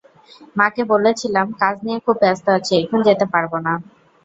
মাকে বলেছিলাম, কাজ নিয়ে খুব ব্যস্ত আছি, এখন যেতে পারব না।